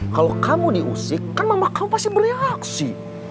kalau kamu diusik kan mama kamu pasti bereaksi